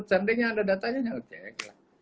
seandainya ada datanya jangan cek